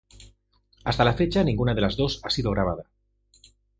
Hasta la fecha, ninguna de las dos ha sido grabada.